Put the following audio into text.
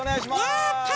やった！